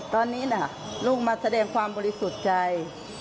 ตอนนี้ลูกมาแสดงความบริสุทธิ์ใจ